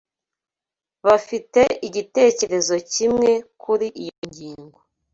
Bafite igitekerezo kimwe kuri iyo ngingo.